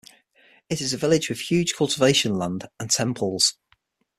It is a village with huge cultivation land and temples.